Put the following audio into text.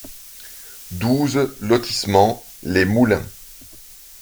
douze lotissement Les Moulins